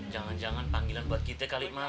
jangan jangan panggilan buat kita kali mal